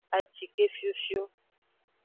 Acike fiofio.